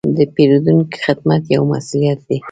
د پیرودونکو خدمت یو مسوولیت دی.